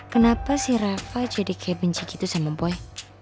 kenapa si reva jadi kayak benci gitu sama boy